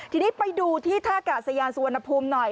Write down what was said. ทีนี้ไปดูที่ท่ากาศยานสุวรรณภูมิหน่อย